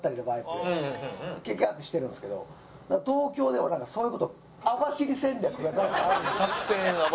キャキャッてしてるんですけど東京ではなんかそういう事網走戦略がなんかある。